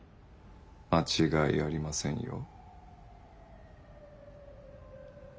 間違いありませんよ。